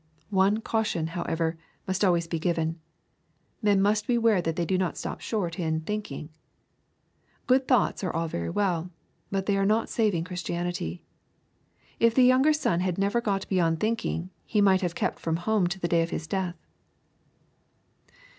One caution, however, must always be given. Men must beware that they do not stop short in "thinking." Good though ts^jsX£Lall very well, but thej are not saving Christianity. If the younger son had never got beyond thinking, he might have kept from home to the day of his death.